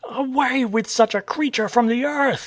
" Away with such a creature from the earth!